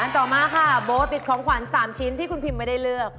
ต่อมาโบติดของขวานสามชิ้นที่ภิมไม่เลือก